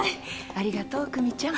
ありがとう久実ちゃん。